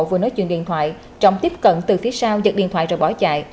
vừa nói chuyện điện thoại trọng tiếp cận từ phía sau giật điện thoại rồi bỏ chạy